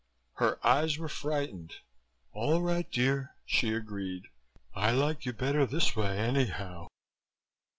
Her eyes were frightened. "All right, dear," she agreed. "I like you better this way, anyhow."